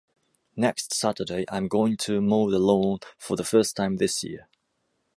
Next Saturday, I’m going to mow the lawn for the first time this year.